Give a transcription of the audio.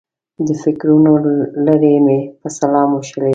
د فکرونو لړۍ مې په سلام وشلېده.